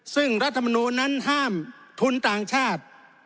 ซึ่งรัฐมนูลนั้นห้ามทุนต่างชาติ